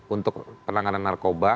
untuk penanganan narkoba